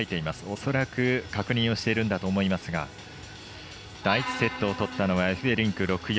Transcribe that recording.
恐らく確認をしているんだと思いますが第１セットを取ったのがエフベリンク、６−４。